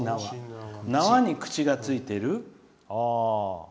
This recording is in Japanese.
「なわ」に口がついてる。